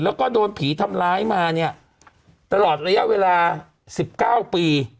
แล้วก็โดนผีทำร้ายมาเนี่ยตลอดระยะเวลา๑๙ปี